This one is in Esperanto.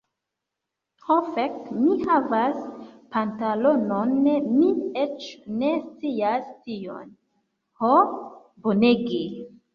Ho, fek' mi havas pantalonon mi eĉ ne scias tion. Ho, bonege!